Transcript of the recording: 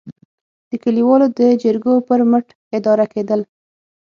د کلیوالو د جرګو پر مټ اداره کېدل.